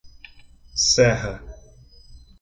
Serra